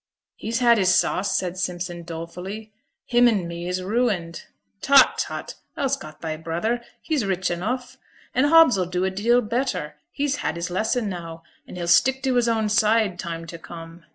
'He's had his sauce,' said Simpson, dolefully. 'Him and me is ruined.' 'Tut, tut, thou's got thy brother, he's rich enough. And Hobbs 'll do a deal better; he's had his lesson now, and he'll stick to his own side time to come.